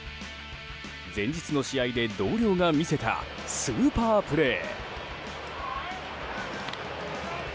前日の試合で同僚が魅せたスーパープレー。